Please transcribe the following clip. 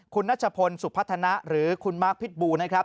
คุณนัชพลสุพัฒนะหรือคุณมาร์คพิษบูนะครับ